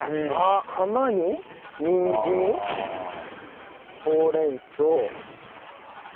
釜ににんじんほうれん草ごま油。